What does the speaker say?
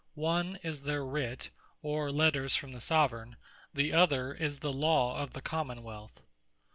One is their Writt, or Letters from the Soveraign: the other is the Law of the Common wealth.